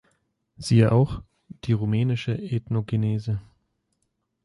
Siehe auch: Die rumänische Ethnogenese.